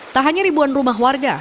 tak hanya ribuan rumah warga